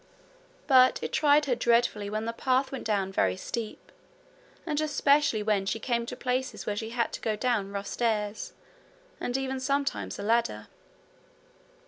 But it tried her dreadfully when the path went down very steep, and especially When she came to places where she had to go down rough stairs, and even sometimes a ladder.